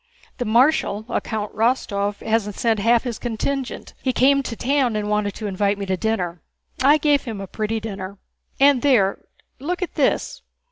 "The marshal, a Count Rostóv, hasn't sent half his contingent. He came to town and wanted to invite me to dinner—I gave him a pretty dinner!... And there, look at this....